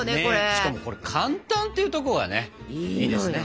しかもこれ簡単っていうとこがねいいですね。